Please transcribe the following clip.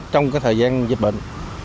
trong cái thời gian dịch bệnh